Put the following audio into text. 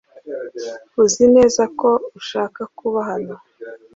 Uzi neza ko ushaka kuba hano?